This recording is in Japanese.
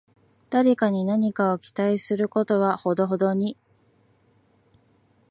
誰かに何かを期待することはほどほどに